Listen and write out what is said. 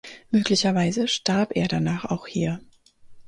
Möglicherweise starb er danach auch hier.